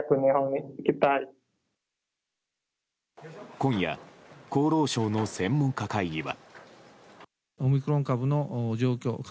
今夜、厚労省の専門家会議は。